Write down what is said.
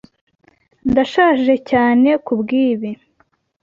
Ndashaje cyane kubwibi.